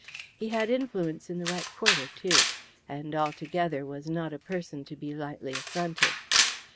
He had influence in the right quarter, too, and, altogether, was not a person to be lightly affronted.